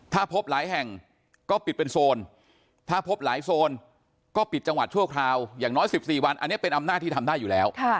ถ้าพบหลายแห่งก็ปิดเป็นโซนถ้าพบหลายโซนก็ปิดจังหวัดชั่วคราวอย่างน้อย๑๔วันอันนี้เป็นอำนาจที่ทำได้อยู่แล้ว